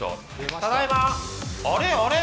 ただいま、あれあれ？